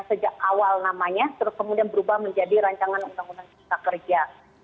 sejak awal namanya terus kemudian berubah menjadi rancangan undang undang cipta kerja